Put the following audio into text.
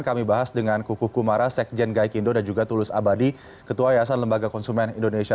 kami bahas dengan kukuh kumara sekjen gaikindo dan juga tulus abadi ketua yayasan lembaga konsumen indonesia